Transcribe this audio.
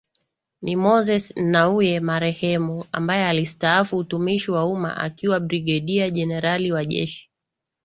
ni Moses Nnauye marehemu ambaye alistaafu utumishi wa umma akiwa Brigedia Jenerali wa Jeshi